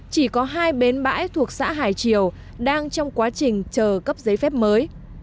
chỉ có hai bến bãi thuộc xã hải triều đang trong quá trình chờ cấp giấy phép mới